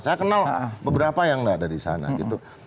saya kenal beberapa yang nggak ada di sana gitu